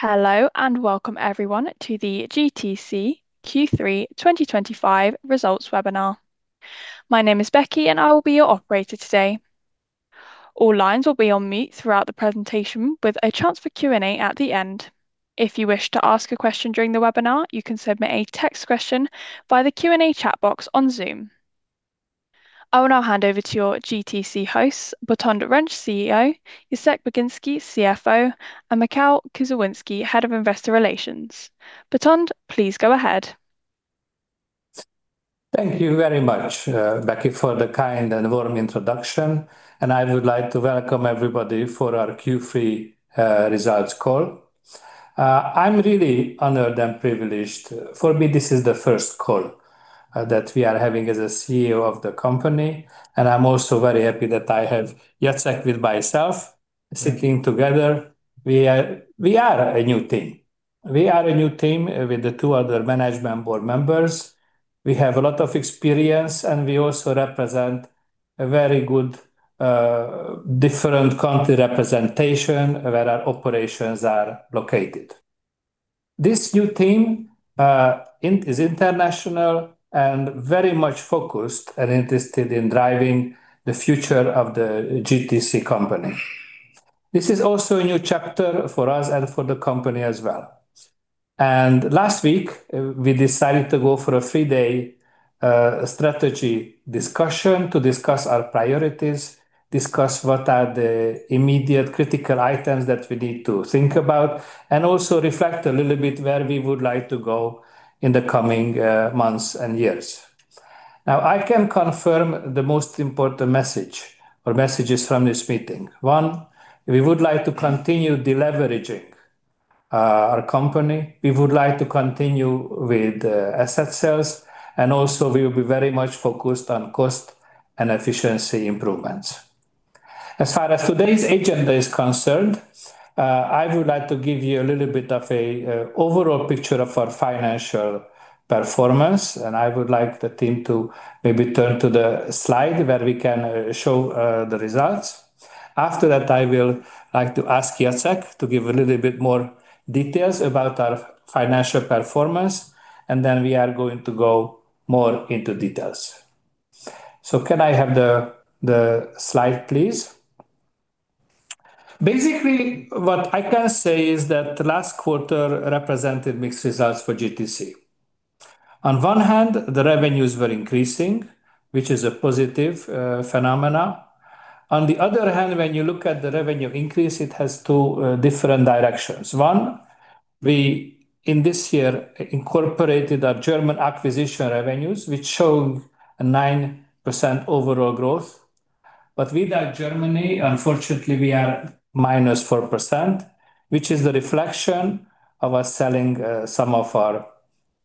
Hello and welcome everyone to the GTC Q3 2025 results webinar. My name is Becky, and I will be your operator today. All lines will be on mute throughout the presentation, with a chance for Q&A at the end. If you wish to ask a question during the webinar, you can submit a text question via the Q&A chat box on Zoom. I will now hand over to your GTC hosts, Botond Rencz, CEO; Jacek Baginski, CFO; and Michał Kuzawiński, Head of Investor Relations. Botond, please go ahead. Thank you very much, Becky, for the kind and warm introduction. I would like to welcome everybody for our Q3 results call. I'm really honored and privileged. For me, this is the first call that we are having as CEO of the company. I'm also very happy that I have Jacek with myself sitting together. We are a new team. We are a new team with the two other management board members. We have a lot of experience, and we also represent a very good different country representation where our operations are located. This new team is international and very much focused and interested in driving the future of the GTC company. This is also a new chapter for us and for the company as well. Last week, we decided to go for a three-day strategy discussion to discuss our priorities, discuss what are the immediate critical items that we need to think about, and also reflect a little bit where we would like to go in the coming months and years. I can confirm the most important message or messages from this meeting. One, we would like to continue deleveraging our company. We would like to continue with asset sales, and also we will be very much focused on cost and efficiency improvements. As far as today's agenda is concerned, I would like to give you a little bit of an overall picture of our financial performance. I would like the team to maybe turn to the slide where we can show the results. After that, I will like to ask Jacek to give a little bit more details about our financial performance, and then we are going to go more into details. Can I have the slide, please? Basically, what I can say is that last quarter represented mixed results for GTC. On one hand, the revenues were increasing, which is a positive phenomenon. On the other hand, when you look at the revenue increase, it has two different directions. One, we in this year incorporated our German acquisition revenues, which showed a 9% overall growth. With our Germany, unfortunately, we are minus 4%, which is the reflection of us selling some of our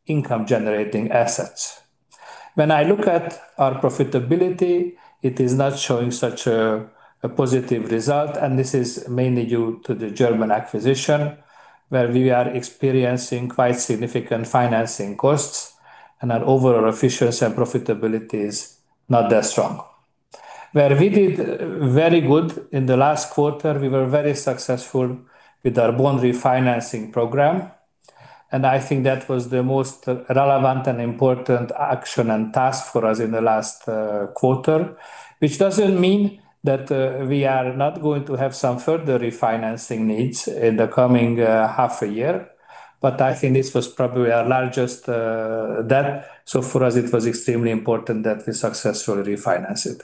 income-generating assets. When I look at our profitability, it is not showing such a positive result, and this is mainly due to the German acquisition, where we are experiencing quite significant financing costs and our overall efficiency and profitability is not that strong. Where we did very good in the last quarter, we were very successful with our bond refinancing program. I think that was the most relevant and important action and task for us in the last quarter, which does not mean that we are not going to have some further refinancing needs in the coming half a year. I think this was probably our largest debt. For us, it was extremely important that we successfully refinance it.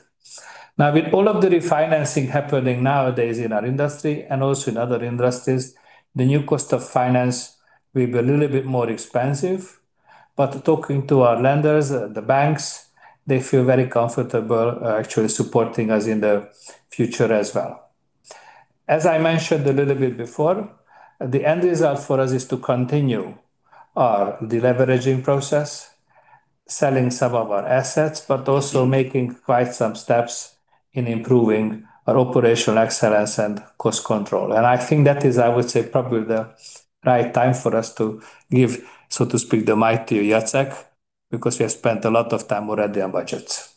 Now, with all of the refinancing happening nowadays in our industry and also in other industries, the new cost of finance will be a little bit more expensive. Talking to our lenders, the banks, they feel very comfortable actually supporting us in the future as well. As I mentioned a little bit before, the end result for us is to continue our deleveraging process, selling some of our assets, but also making quite some steps in improving our operational excellence and cost control. I think that is, I would say, probably the right time for us to give, so to speak, the mic to Jacek because we have spent a lot of time already on budgets.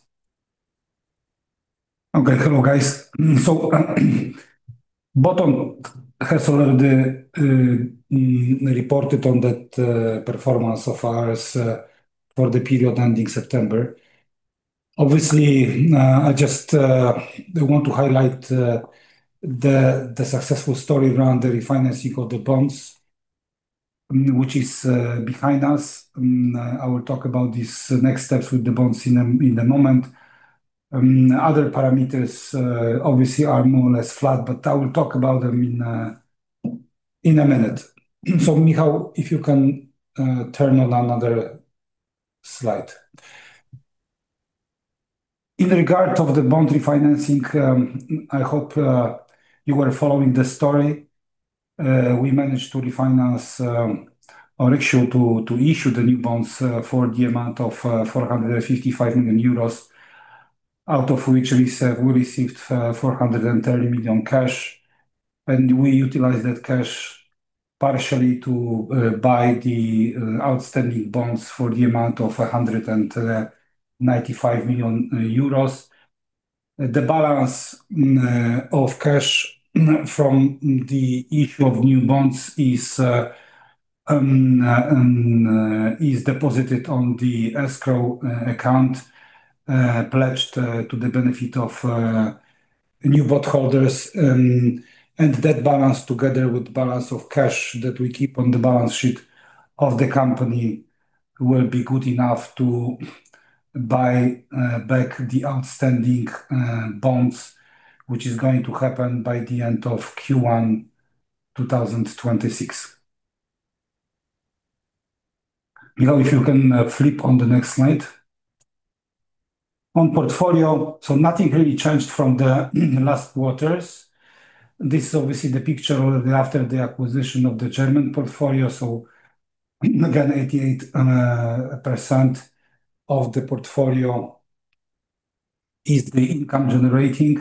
Okay, hello, guys. Botond has already reported on that performance of ours for the period ending September. Obviously, I just want to highlight the successful story around the refinancing of the bonds, which is behind us. I will talk about these next steps with the bonds in a moment. Other parameters, obviously, are more or less flat, but I will talk about them in a minute. Michał, if you can turn on another slide. In regard to the bond refinancing, I hope you were following the story. We managed to refinance or issue the new bonds for the amount of 455 million euros, out of which we received 430 million cash. We utilized that cash partially to buy the outstanding bonds for the amount of 195 million euros. The balance of cash from the issue of new bonds is deposited on the escrow account pledged to the benefit of new bondholders. That balance, together with the balance of cash that we keep on the balance sheet of the company, will be good enough to buy back the outstanding bonds, which is going to happen by the end of Q1 2026. Michał, if you can flip on the next slide. On portfolio, nothing really changed from the last quarters. This is obviously the picture after the acquisition of the German portfolio. Again, 88% of the portfolio is income generating,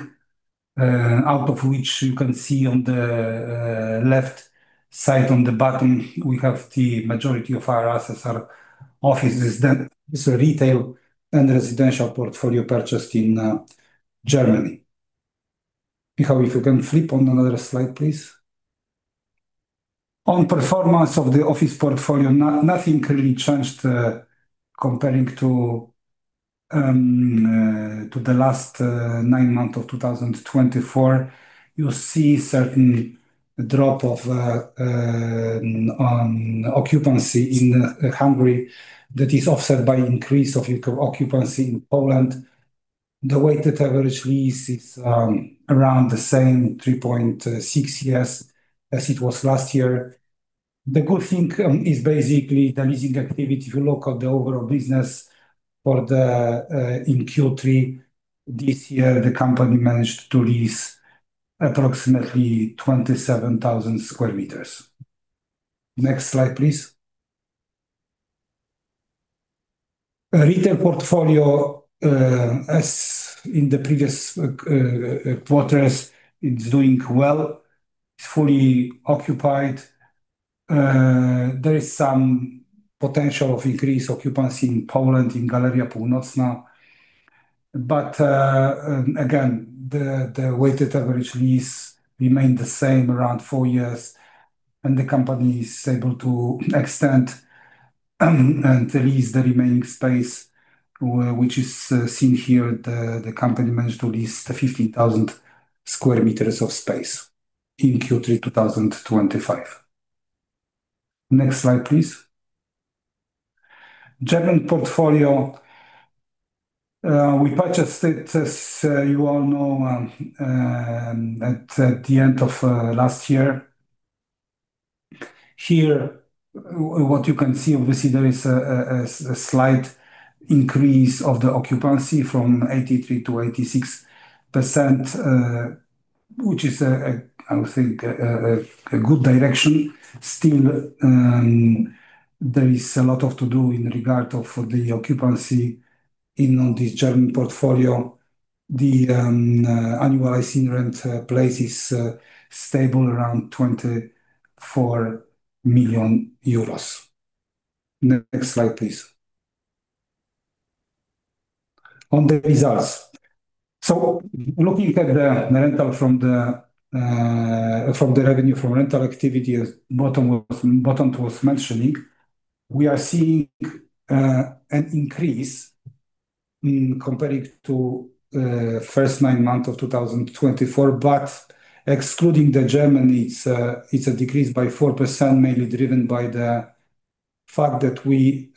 out of which you can see on the left side on the bottom, we have the majority of our assets are offices. This is a retail and residential portfolio purchased in Germany. Michał, if you can flip on another slide, please. On performance of the office portfolio, nothing really changed comparing to the last nine months of 2024. You see a certain drop of occupancy in Hungary that is offset by the increase of occupancy in Poland. The weighted average lease is around the same 3.6 years as it was last year. The good thing is basically the leasing activity. If you look at the overall business for the in Q3 this year, the company managed to lease approximately 27,000 sq m. Next slide, please. Retail portfolio, as in the previous quarters, is doing well. It's fully occupied. There is some potential of increased occupancy in Poland, in Galeria Północna. The weighted average lease remained the same around four years, and the company is able to extend and lease the remaining space, which is seen here. The company managed to lease 15,000 sq m of space in Q3 2025. Next slide, please. German portfolio, we purchased it, as you all know, at the end of last year. Here, what you can see, obviously, there is a slight increase of the occupancy from 83% to 86%, which is, I would think, a good direction. Still, there is a lot to do in regard to the occupancy in this German portfolio. The annualized in-rent place is stable around 24 million euros. Next slide, please. On the results. Looking at the revenue from rental activity, as Botond was mentioning, we are seeing an increase comparing to the first nine months of 2024. Excluding the German, it is a decrease by 4%, mainly driven by the fact that we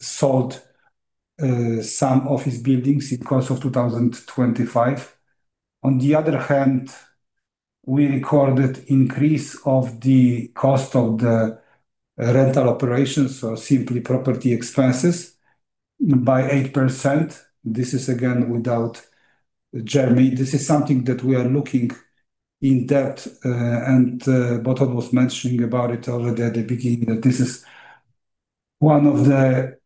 sold some office buildings in the course of 2025. On the other hand, we recorded an increase of the cost of the rental operations, so simply property expenses, by 8%. This is again without Germany. This is something that we are looking in depth, and Botond was mentioning about it already at the beginning that this is one of the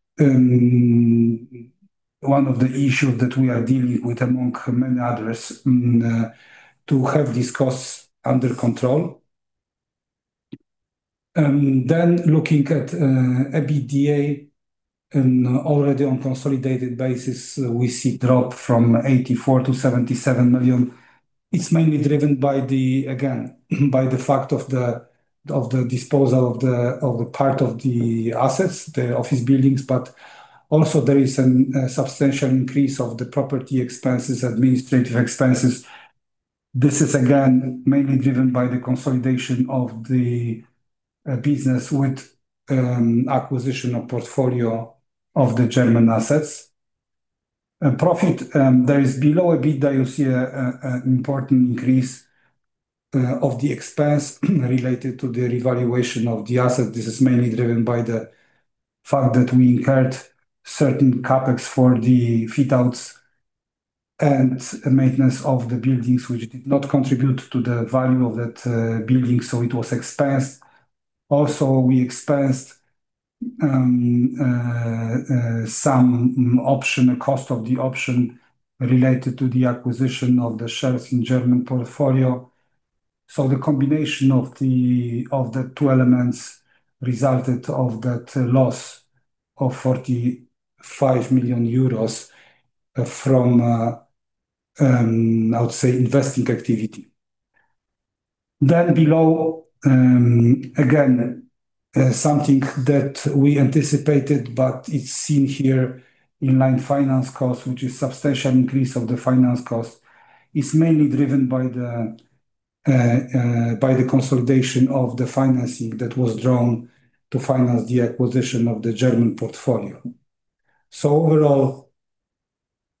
issues that we are dealing with among many others to have these costs under control. Looking at EBITDA, already on a consolidated basis, we see a drop from 84 million to 77 million. It is mainly driven by the, again, by the fact of the disposal of the part of the assets, the office buildings. Also, there is a substantial increase of the property expenses, administrative expenses. This is again mainly driven by the consolidation of the business with the acquisition of the portfolio of the German assets. Profit, there is below EBITDA, you see an important increase of the expense related to the revaluation of the assets. This is mainly driven by the fact that we incurred certain CapEx for the fit-outs and maintenance of the buildings, which did not contribute to the value of that building, so it was expensed. Also, we expensed some option cost of the option related to the acquisition of the shares in the German portfolio. The combination of the two elements resulted in that loss of 45 million euros from, I would say, investing activity. Again, something that we anticipated, but it is seen here in line finance costs, which is a substantial increase of the finance cost, is mainly driven by the consolidation of the financing that was drawn to finance the acquisition of the German portfolio. Overall,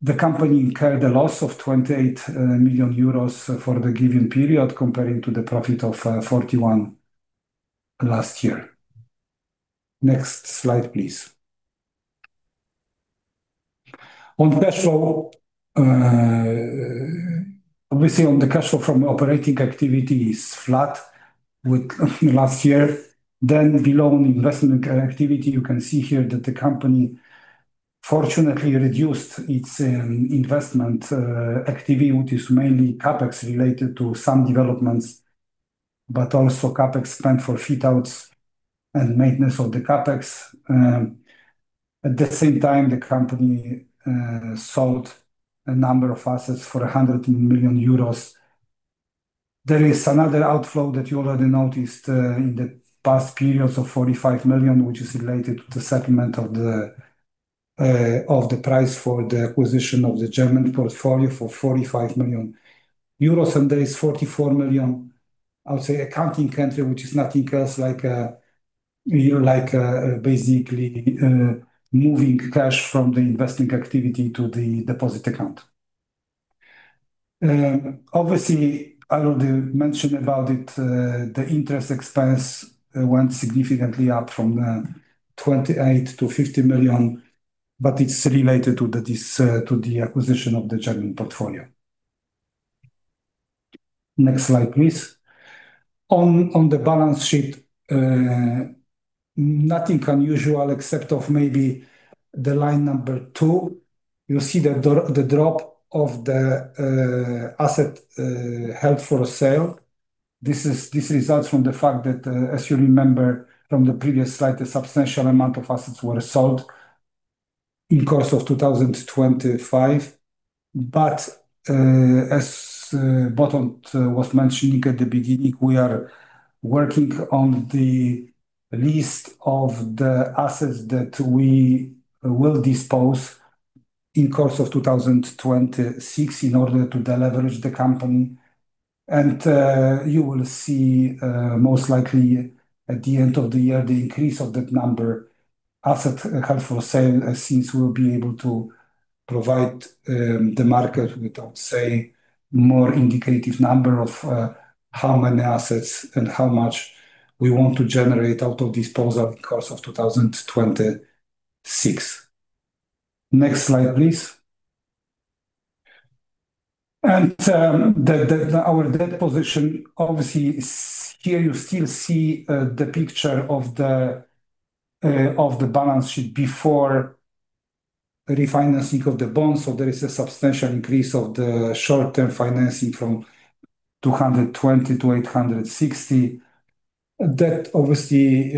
the company incurred a loss of 28 million euros for the given period comparing to the profit of 41 million last year. Next slide, please. On cash flow, obviously, on the cash flow from operating activity, it's flat with last year. Below, on investment activity, you can see here that the company fortunately reduced its investment activity, which is mainly CapEx related to some developments, but also CapEx spent for fit-outs and maintenance of the CapEx. At the same time, the company sold a number of assets for 100 million euros. There is another outflow that you already noticed in the past periods of 45 million, which is related to the settlement of the price for the acquisition of the German portfolio for 45 million euros. There is 44 million, I would say, accounting entry, which is nothing else like basically moving cash from the investment activity to the deposit account. Obviously, I already mentioned about it, the interest expense went significantly up from 28 million to 50 million, but it's related to the acquisition of the German portfolio. Next slide, please. On the balance sheet, nothing unusual except maybe the line number two. You see the drop of the asset held for sale. This results from the fact that, as you remember from the previous slide, a substantial amount of assets were sold in the course of 2025. As Botond was mentioning at the beginning, we are working on the list of the assets that we will dispose in the course of 2026 in order to deleverage the company. You will see, most likely, at the end of the year, the increase of that number of assets held for sale as soon as we will be able to provide the market with, I would say, a more indicative number of how many assets and how much we want to generate out of disposal in the course of 2026. Next slide, please. Our debt position, obviously, here you still see the picture of the balance sheet before refinancing of the bonds. There is a substantial increase of the short-term financing from 220 million to 860 million. That, obviously,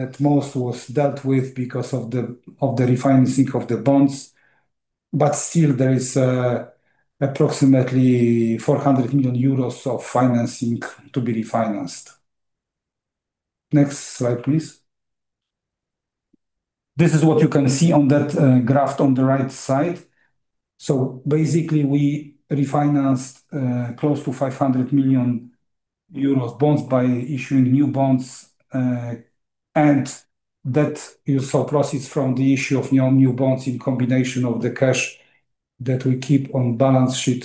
at most was dealt with because of the refinancing of the bonds. Still, there is approximately 400 million euros of financing to be refinanced. Next slide, please. This is what you can see on that graph on the right side. Basically, we refinanced close to EUR 500 million bonds by issuing new bonds. You saw, proceeds from the issue of new bonds in combination with the cash that we keep on the balance sheet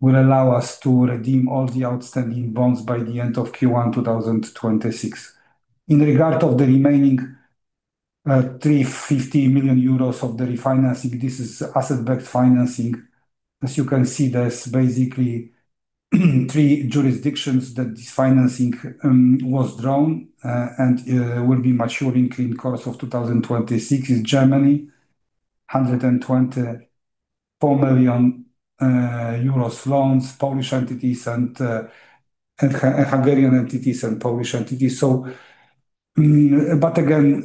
will allow us to redeem all the outstanding bonds by the end of Q1 2026. In regard to the remaining 350 million euros of the refinancing, this is asset-backed financing. As you can see, there are basically three jurisdictions that this financing was drawn and will be maturing in the course of 2026. It is Germany, 124 million euros loans, Polish entities, and Hungarian entities, and Polish entities. Again,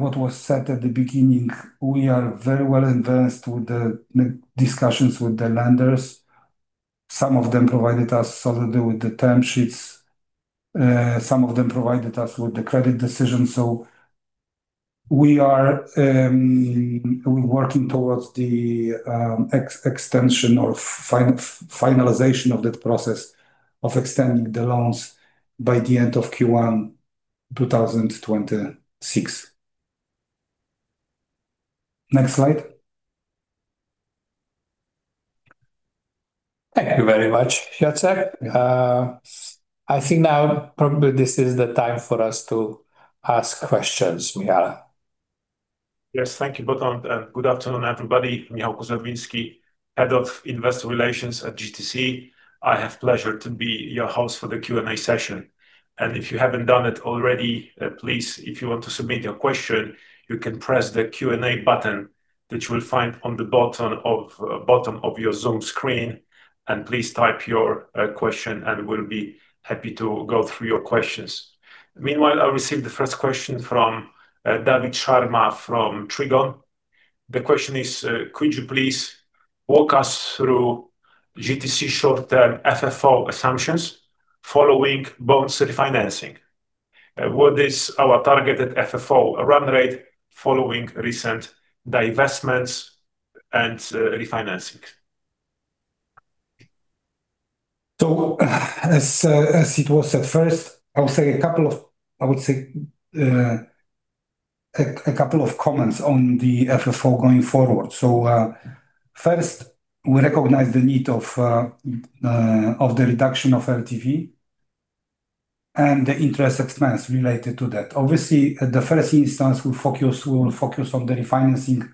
what was said at the beginning, we are very well advanced with the discussions with the lenders. Some of them provided us solidly with the term sheets. Some of them provided us with the credit decision. We are working towards the extension or finalization of that process of extending the loans by the end of Q1 2026. Next slide. Thank you very much, Jacek. I think now probably this is the time for us to ask questions, Michał. Yes, thank you, Botond. Good afternoon, everybody. Michał Kuzawiński, Head of Investor Relations at GTC. I have the pleasure to be your host for the Q&A session. If you have not done it already, please, if you want to submit your question, you can press the Q&A button that you will find on the bottom of your Zoom screen. Please type your question, and we will be happy to go through your questions. Meanwhile, I received the first question from David Sharma from Trigon. The question is, could you please walk us through GTC short-term FFO assumptions following bonds refinancing? What is our targeted FFO run rate following recent divestments and refinancings? As it was said first, I would say a couple of, I would say, a couple of comments on the FFO going forward. First, we recognize the need of the reduction of LTV and the interest expense related to that. Obviously, in the first instance, we will focus on the refinancing,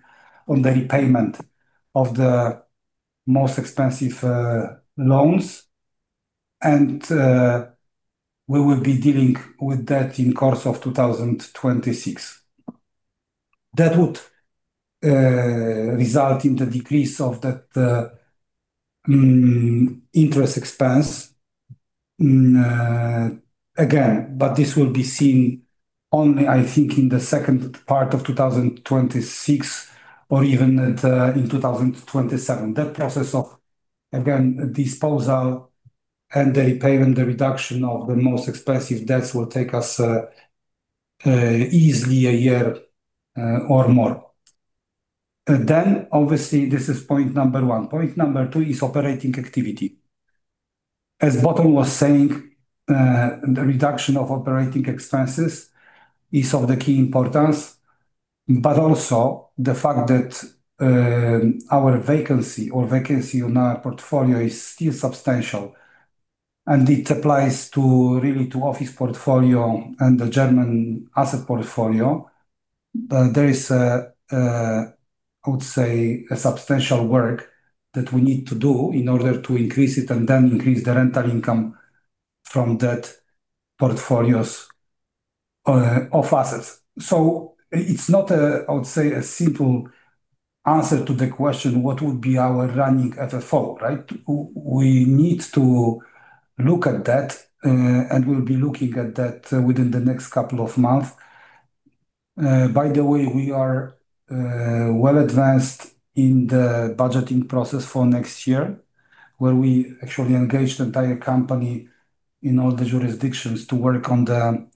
on the repayment of the most expensive loans. We will be dealing with that in the course of 2026. That would result in the decrease of that interest expense, again, but this will be seen only, I think, in the second part of 2026 or even in 2027. That process of, again, disposal and the repayment, the reduction of the most expensive debts will take us easily a year or more. Obviously, this is point number one. Point number two is operating activity. As Botond was saying, the reduction of operating expenses is of key importance, but also the fact that our vacancy or vacancy on our portfolio is still substantial. It applies really to the office portfolio and the German asset portfolio. There is, I would say, substantial work that we need to do in order to increase it and then increase the rental income from that portfolios of assets. It is not, I would say, a simple answer to the question, what would be our running FFO, right? We need to look at that, and we'll be looking at that within the next couple of months. By the way, we are well advanced in the budgeting process for next year, where we actually engaged the entire company in all the jurisdictions to work on that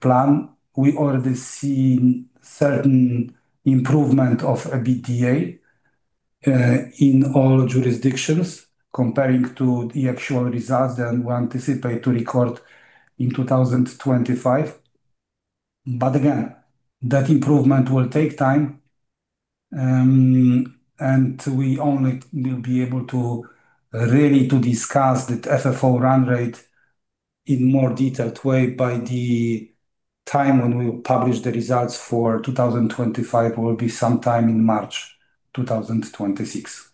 plan. We already see certain improvement of EBITDA in all jurisdictions comparing to the actual results that we anticipate to record in 2025. That improvement will take time. We only will be able to really discuss that FFO run rate in a more detailed way by the time when we publish the results for 2025. It will be sometime in March 2026.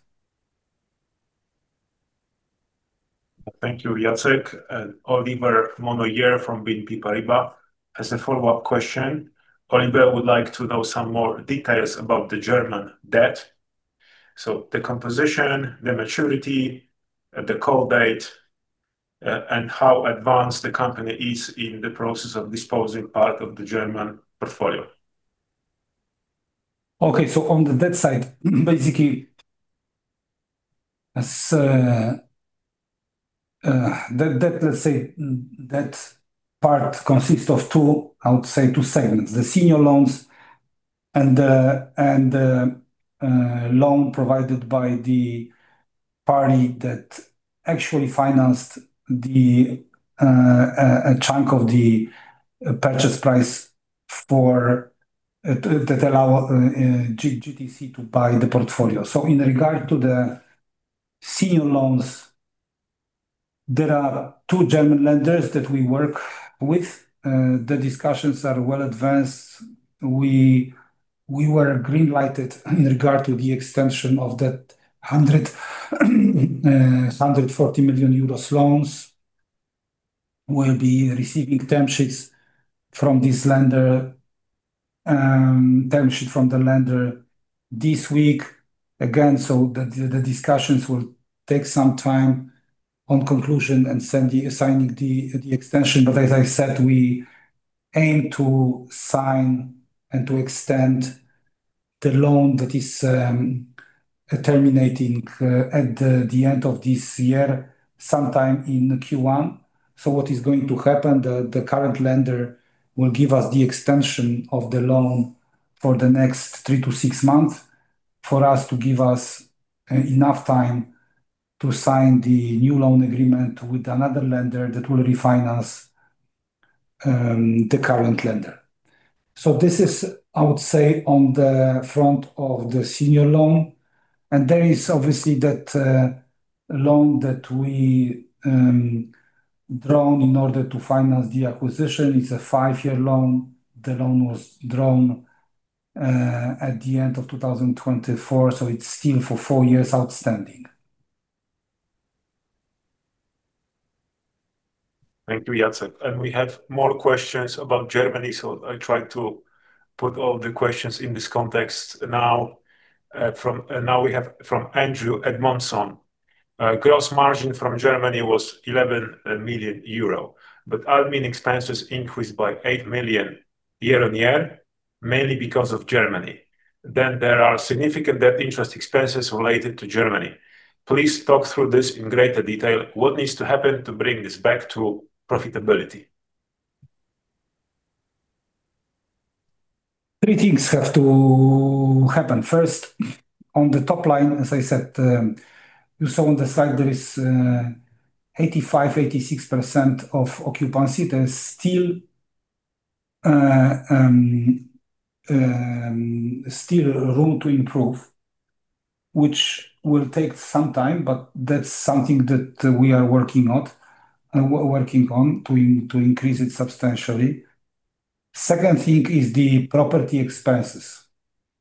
Thank you, Jacek. Olivier Monnoyeur from BNP Paribas, as a follow-up question, would like to know some more details about the German debt. The composition, the maturity, the call date, and how advanced the company is in the process of disposing part of the German portfolio. Okay, so on the debt side, basically, that debt, let's say, that part consists of two, I would say, two segments: the senior loans and the loan provided by the party that actually financed a chunk of the purchase price that allowed GTC to buy the portfolio. In regard to the senior loans, there are two German lenders that we work with. The discussions are well advanced. We were greenlighted in regard to the extension of that EUR 140 million loans. We'll be receiving term sheets from this lender, term sheet from the lender this week. Again, the discussions will take some time on conclusion and signing the extension. As I said, we aim to sign and to extend the loan that is terminating at the end of this year, sometime in Q1. What is going to happen? The current lender will give us the extension of the loan for the next three to six months for us to give us enough time to sign the new loan agreement with another lender that will refinance the current lender. This is, I would say, on the front of the senior loan. There is, obviously, that loan that we drawn in order to finance the acquisition. It's a five-year loan. The loan was drawn at the end of 2024. It is still for four years outstanding. Thank you, Jacek. We have more questions about Germany. I try to put all the questions in this context now. Now we have from Andrew Edmondson. Gross margin from Germany was 11 million euro, but admin expenses increased by 8 million year on year, mainly because of Germany. There are significant debt interest expenses related to Germany. Please talk through this in greater detail. What needs to happen to bring this back to profitability? Three things have to happen. First, on the top line, as I said, you saw on the slide, there is 85%-86% of occupancy. There's still room to improve, which will take some time, but that's something that we are working on, working on to increase it substantially. Second thing is the property expenses,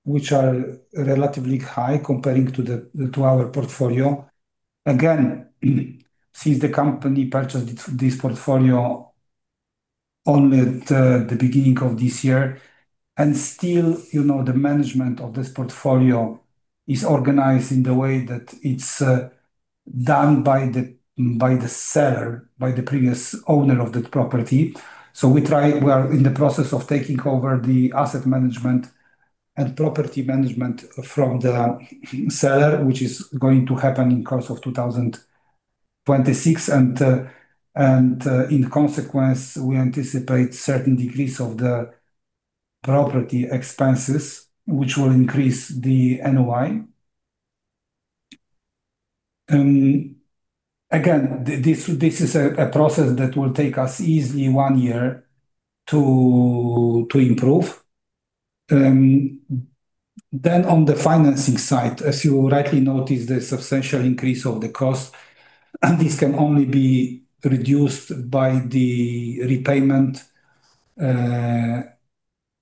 which are relatively high comparing to our portfolio. Again, since the company purchased this portfolio only at the beginning of this year. Still, the management of this portfolio is organized in the way that it's done by the seller, by the previous owner of that property. We are in the process of taking over the asset management and property management from the seller, which is going to happen in the course of 2026. In consequence, we anticipate certain degrees of the property expenses, which will increase the NOI. Again, this is a process that will take us easily one year to improve. On the financing side, as you rightly noticed, there is a substantial increase of the cost. This can only be reduced by the repayment,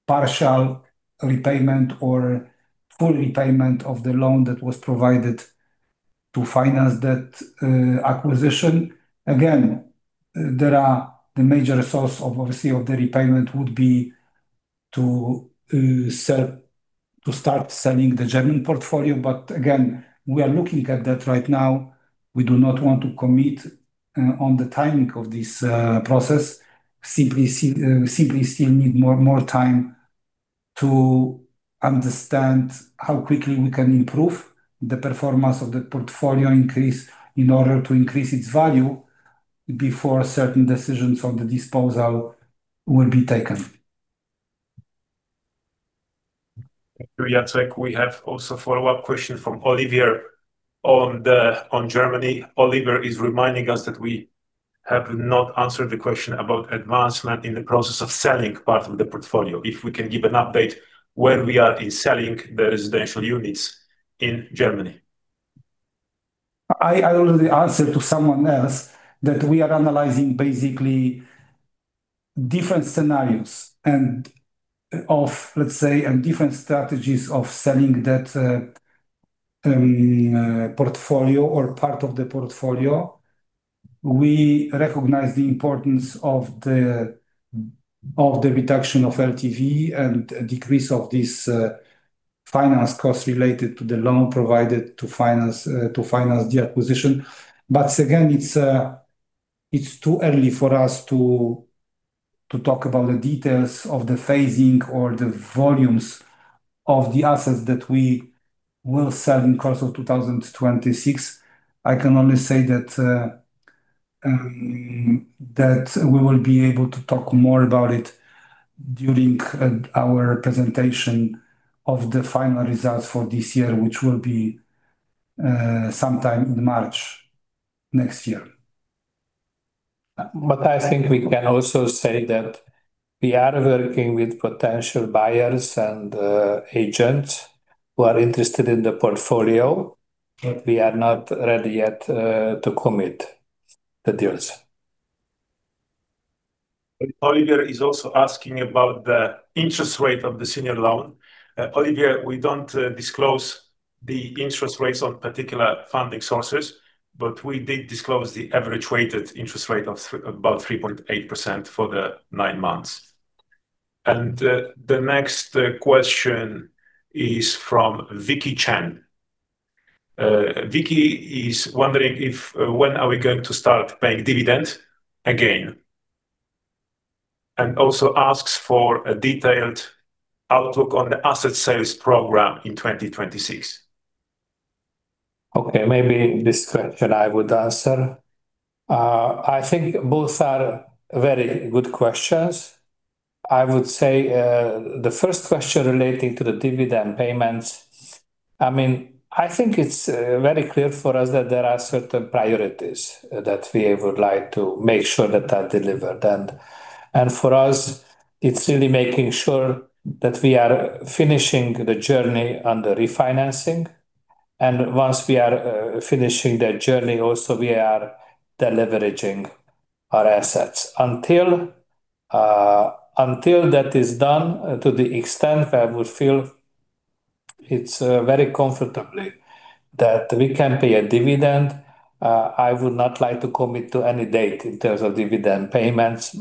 partial repayment, or full repayment of the loan that was provided to finance that acquisition. The major source, obviously, of the repayment would be to start selling the German portfolio. We are looking at that right now. We do not want to commit on the timing of this process. We simply still need more time to understand how quickly we can improve the performance of the portfolio in order to increase its value before certain decisions on the disposal will be taken. Thank you, Jacek. We have also a follow-up question from Olivier on Germany. Olivier is reminding us that we have not answered the question about advancement in the process of selling part of the portfolio. If we can give an update where we are in selling the residential units in Germany. I already answered to someone else that we are analyzing basically different scenarios of, let's say, different strategies of selling that portfolio or part of the portfolio. We recognize the importance of the reduction of LTV and decrease of this finance cost related to the loan provided to finance the acquisition. Again, it's too early for us to talk about the details of the phasing or the volumes of the assets that we will sell in the course of 2026. I can only say that we will be able to talk more about it during our presentation of the final results for this year, which will be sometime in March next year. I think we can also say that we are working with potential buyers and agents who are interested in the portfolio, but we are not ready yet to commit the deals. Olivier is also asking about the interest rate of the senior loan. Olivier, we do not disclose the interest rates on particular funding sources, but we did disclose the average weighted interest rate of about 3.8% for the nine months. The next question is from Vicky Chen. Vicky is wondering if, when are we going to start paying dividends again? She also asks for a detailed outlook on the asset sales program in 2026. Okay, maybe this question I would answer. I think both are very good questions. I would say the first question relating to the dividend payments, I mean, I think it's very clear for us that there are certain priorities that we would like to make sure that are delivered. For us, it's really making sure that we are finishing the journey on the refinancing. Once we are finishing that journey, also we are leveraging our assets. Until that is done, to the extent where we feel it's very comfortable that we can pay a dividend, I would not like to commit to any date in terms of dividend payments.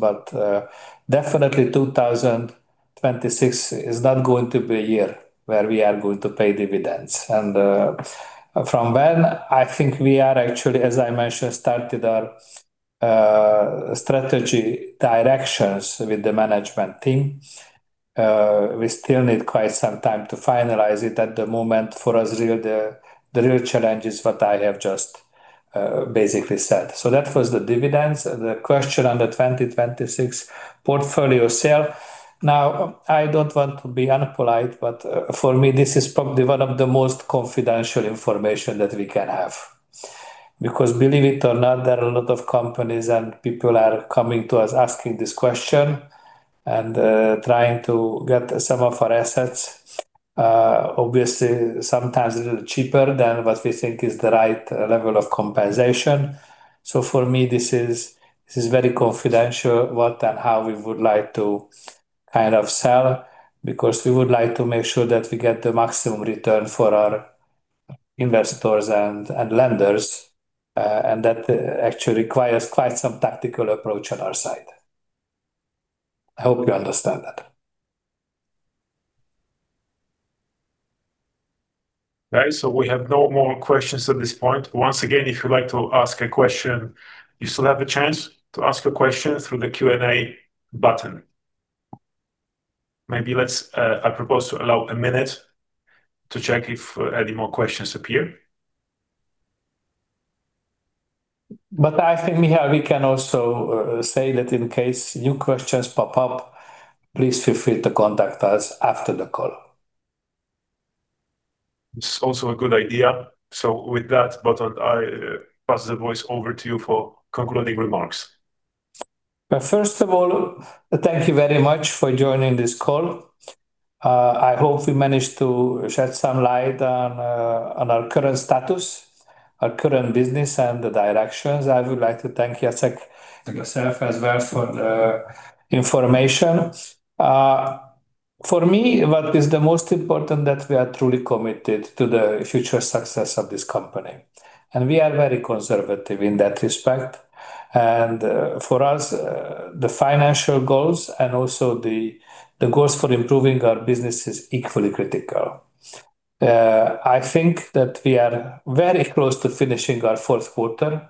Definitely, 2026 is not going to be a year where we are going to pay dividends. From then, I think we are actually, as I mentioned, started our strategy directions with the management team. We still need quite some time to finalize it at the moment. For us, the real challenge is what I have just basically said. That was the dividends. The question on the 2026 portfolio sale. I do not want to be unpolite, but for me, this is probably one of the most confidential information that we can have. Because believe it or not, there are a lot of companies and people are coming to us asking this question and trying to get some of our assets, obviously, sometimes a little cheaper than what we think is the right level of compensation. For me, this is very confidential what and how we would like to kind of sell because we would like to make sure that we get the maximum return for our investors and lenders. That actually requires quite some tactical approach on our side. I hope you understand that. Okay, we have no more questions at this point. Once again, if you'd like to ask a question, you still have a chance to ask a question through the Q&A button. Maybe I propose to allow a minute to check if any more questions appear. I think we can also say that in case new questions pop up, please feel free to contact us after the call. It's also a good idea. With that, Botond, I pass the voice over to you for concluding remarks. First of all, thank you very much for joining this call. I hope we managed to shed some light on our current status, our current business, and the directions. I would like to thank Jacek as well for the information. For me, what is the most important is that we are truly committed to the future success of this company. We are very conservative in that respect. For us, the financial goals and also the goals for improving our business is equally critical. I think that we are very close to finishing our fourth quarter.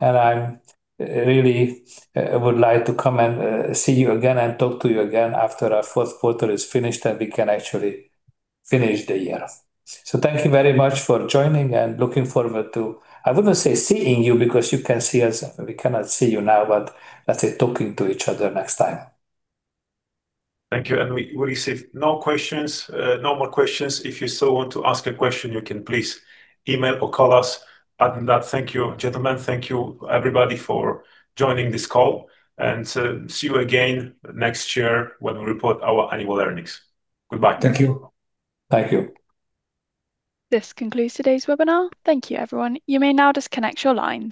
I really would like to come and see you again and talk to you again after our fourth quarter is finished and we can actually finish the year. Thank you very much for joining and looking forward to, I would not say seeing you because you can see us. We cannot see you now, but let's say talking to each other next time. Thank you. We receive no questions, no more questions. If you still want to ask a question, you can please email or call us. Other than that, thank you, gentlemen. Thank you, everybody, for joining this call. See you again next year when we report our annual earnings. Goodbye. Thank you. Thank you. This concludes today's webinar. Thank you, everyone. You may now disconnect your lines.